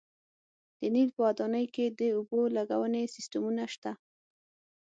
د نیل په وادۍ کې د اوبو لګونې سیستمونه شته